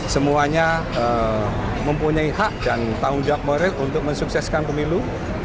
semuanya mempunyai hak dan tanggung jawab moral untuk mensukseskan pemilu